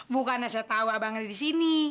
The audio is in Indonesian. bukannya saya tau abang ada disini